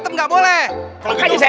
warna merah lagi sensitif pak